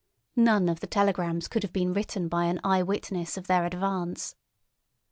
None of the telegrams could have been written by an eyewitness of their advance.